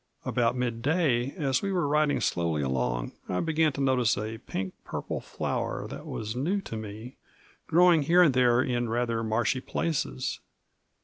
About mid day, as we were riding slowly along, I began to notice a pink purple flower that was new to me, growing here and there in rather marshy places.